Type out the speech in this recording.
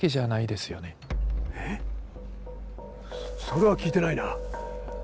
それは聞いてないな。